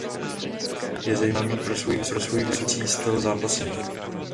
Je zejména známý pro svůj "vysoko létající" styl zápasení.